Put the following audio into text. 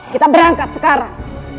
kita berangkat sekarang